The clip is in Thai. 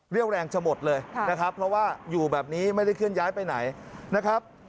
แรงจะหมดเลยนะครับเพราะว่าอยู่แบบนี้ไม่ได้เคลื่อนย้ายไปไหนนะครับ